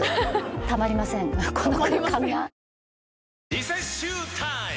リセッシュータイム！